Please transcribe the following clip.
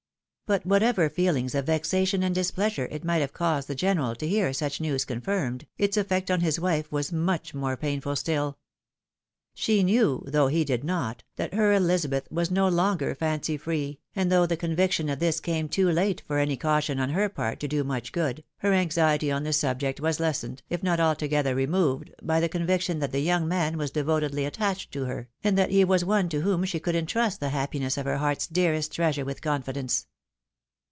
But whatever feeUngs of vexation and displeasure it might have caused the general to hear such news confirmed, its effect on his wife was much more painful still. She knew, though he did not, that her EUzabeth was no longer " fancy free," and though the con viction of this came too kte for any caution on her part to do much good, her anxiety on the subject was lessened, if not altogether removed, by the conviction that the young man was devotedly attached to her, and that he was one to whom she could intrust the happiness of her heart's dearest treasure with confidence.